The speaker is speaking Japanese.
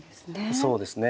そうですね。